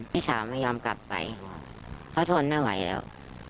พี่สาวไม่ยอมกลับไปเขาทนไม่ไหวแล้ว